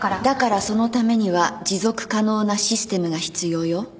だからそのためには持続可能なシステムが必要よ。